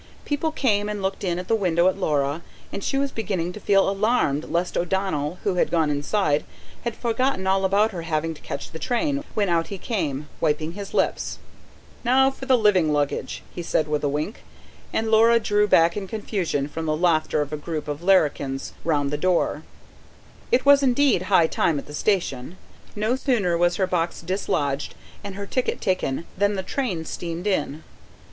People came and looked in at the window at Laura, and she was beginning to feel alarmed lest O'Donnell, who had gone inside, had forgotten all about her having to catch the train, when out he came, wiping his lips. "Now for the livin' luggage!" he said with a wink, and Laura drew back in confusion from the laughter of a group of larrikins round the door. It was indeed high time at the station; no sooner was her box dislodged and her ticket taken than the train steamed in.